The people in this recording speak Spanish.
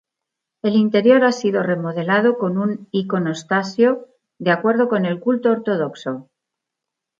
El interior ha sido remodelado con un iconostasio de acuerdo con el culto ortodoxo.